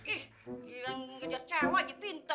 ih gila ngejar cewe aja pinter